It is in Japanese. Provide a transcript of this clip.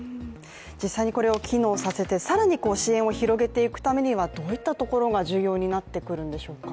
実際にこれを機能させて更に支援を広げていくためにはどういったところが必要になってくるんでしょうか？